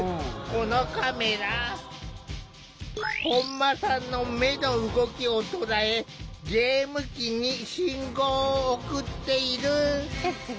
本間さんの目の動きを捉えゲーム機に信号を送っている。